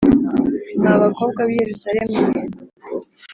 Mwa bakobwa b’i Yerusalemu mwe